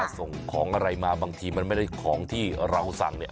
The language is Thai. ส่งของอะไรมาบางทีมันไม่ได้ของที่เราสั่งเนี่ย